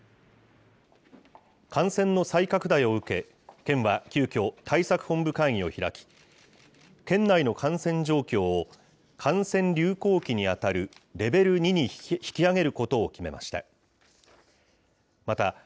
感染の再拡大を受け、県は急きょ、対策本部会議を開き、県内の感染状況を、感染流行期に当たるレベル２に引き上げることを決めました。